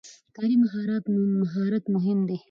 کاري مهارت مهم دی.